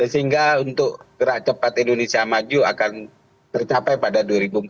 sehingga untuk gerak cepat indonesia maju akan tercapai pada dua ribu empat puluh